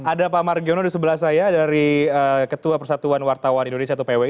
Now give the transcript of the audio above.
ada pak margiono di sebelah saya dari ketua persatuan wartawan indonesia atau pwi